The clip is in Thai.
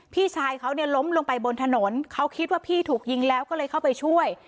พี่ชายเขาเนี่ยล้มลงไปบนถนนเขาคิดว่าพี่ถูกยิงแล้วก็เลยเข้าไปช่วย